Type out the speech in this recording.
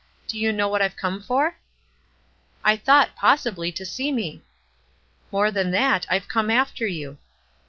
"Do yon know what I've come for?" • "I thought, possibly, to see mo." " More than that. I've come after you."